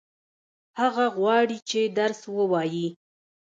هغه غواړي چې درس ووايي.